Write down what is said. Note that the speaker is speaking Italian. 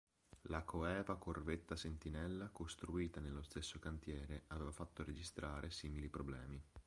La coeva corvetta Sentinella, costruita nello stesso cantiere aveva fatto registrare simili problemi.